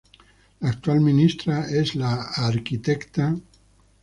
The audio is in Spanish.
La actual ministra es la Arq.